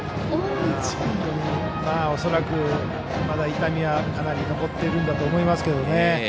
恐らくまだ痛みはかなり残ってるんだと思うんですけどね。